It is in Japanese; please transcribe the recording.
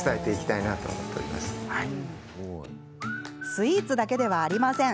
スイーツだけではありません。